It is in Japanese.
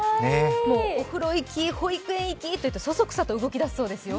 お風呂行き、保育園行きというとそそくさと動きだすそうですよ。